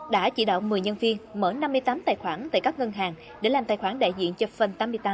đã chỉ đạo một mươi nhân viên mở năm mươi tám tài khoản tại các ngân hàng để làm tài khoản đại diện cho fan tám mươi tám